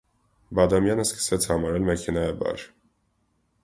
Բադամյանը սկսեց համարել մեքենայաբար: